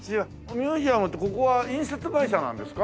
ミュージアムってここは印刷会社なんですか？